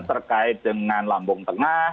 terkait dengan lambung tengah